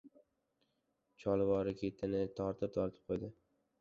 Cholvori ketini tortib-tortib qo‘ydi.